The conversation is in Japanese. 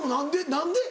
何で？